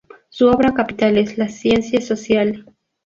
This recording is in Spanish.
Su obra capital es "La Science Sociale".